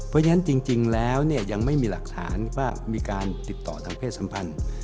เพราะฉะนั้นจริงแล้วเนี่ยยังไม่มีหลักฐานว่ามีการติดต่อทางเพศสัมพันธ์